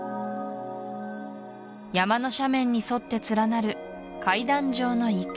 山の斜面に沿って連なる階段状の池